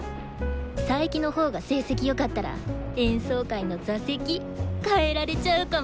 佐伯のほうが成績よかったら演奏会の座席変えられちゃうかもよ。